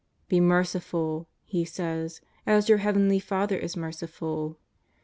" Be merciful," He says, ^' as your Heavenly Father is merciful."